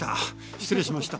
失礼しました。